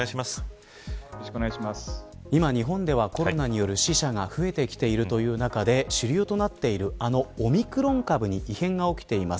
今日本では、コロナによる死者が増えてきているという中で主流となっているあのオミクロン株に異変が起きています。